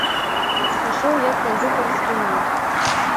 Ішоў як кандытарскі мак.